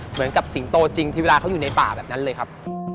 สิงโตจริงที่เวลาเขาอยู่ในป่าแบบนั้นเลยครับ